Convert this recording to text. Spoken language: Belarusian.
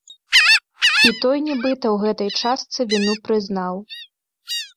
І той нібыта ў гэтай частцы віну прызнаў.